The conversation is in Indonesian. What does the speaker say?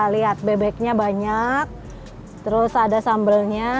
lihat bebeknya banyak terus ada sambelnya